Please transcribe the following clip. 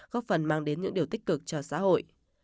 góp phần mang đến những điều tích cực cho xã hội